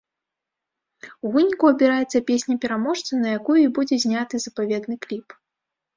У выніку абіраецца песня-пераможца, на якую і будзе зняты запаветны кліп.